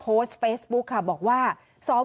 คุณสิริกัญญาบอกว่า๖๔เสียง